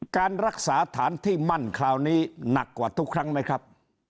การรักษาฐานที่มั่นคราวนี้หนักกว่าทุกครั้งไหมครับ